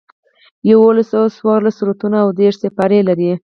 یوسلو څوارلس سورتونه او دېرش سپارې لري.